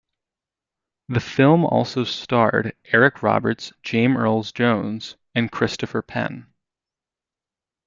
The film also starred Eric Roberts, James Earl Jones and Christopher Penn.